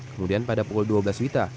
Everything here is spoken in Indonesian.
kemudian pada pukul dua belas wita